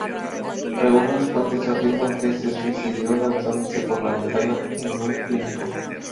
Algunas fuentes afirman que se suicidó lanzándose por la ventana en un clínico.